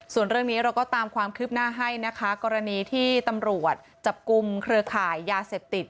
ส่วนเรื่องนี้เราก็ตามความคืบหน้าให้นะคะกรณีที่ตำรวจจับกลุ่มเครือข่ายยาเสพติด